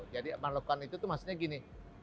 jadi melakukan itu tuh maksudnya gini